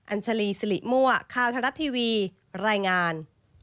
ัญชาลีสิริมั่วข่าวทะลัดทีวีรายงาน